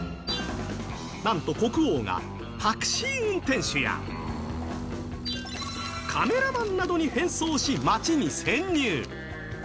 何と国王がタクシー運転手やカメラマンなどに変装し街に潜入。